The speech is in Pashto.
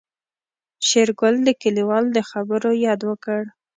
شېرګل د کليوال د خبرو ياد وکړ.